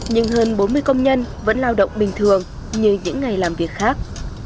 nhưng hơn bốn mươi công nhân vẫn lao động bình thường như những ngày làm việc khác